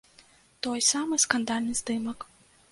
Той самы скандальны здымак.